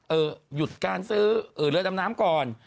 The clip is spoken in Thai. หยุดการซื้อเรือดำน้ำก่อน